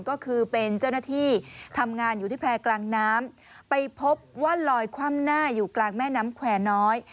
ก็คือเป็นเจ้าหน้าที่ทำงานอยู่ที่แพร่กลางน้ำไปพบว่าลอยคว่ำหน้าอยู่กลางแม่น้ำแควร์น้อย